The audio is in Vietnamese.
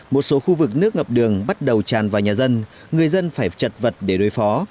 một số khu vực nước ngập đường bắt đầu tràn vào nhà dân người dân phải chật vật để đối phó